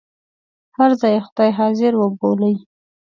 هر ځای خدای حاضر وبولئ.